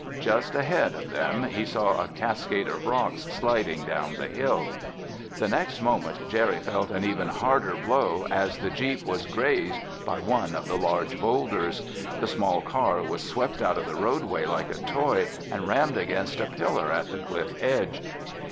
Just ahead of them he saw a cascade of rocks sliding down the hill. The next moment Jerry felt an even harder blow as the jeep was grazed by one of the large boulders. The small car was swept out of the roadway like a toy and rammed against a pillar at the cliff edge.